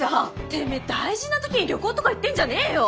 てめえ大事な時に旅行とか行ってんじゃねえよ！